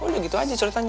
udah gitu aja ceritanya